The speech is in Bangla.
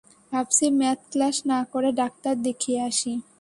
ভাবছি ম্যাথ ক্লাস না করে ডাক্তার দেখিয়ে আসি।